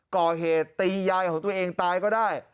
ก่อเหตุตียายของตัวเองตายก็ได้